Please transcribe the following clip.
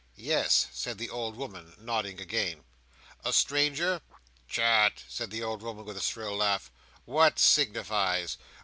"Yes," said the old woman, nodding again. "A stranger?" "Chut!" said the old woman, with a shrill laugh. "What signifies!